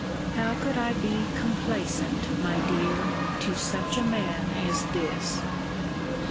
How could I be complaisant, my dear, to such a man as this?